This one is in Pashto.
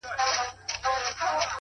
پرمختګ د عادتونو بدلون غواړي’